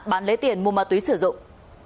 bán lấy tiền mua ma túy sử dụng